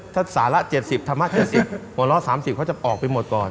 ถ้าสาระ๗๐ธรรมะ๗๐หัวเราะ๓๐เขาจะออกไปหมดก่อน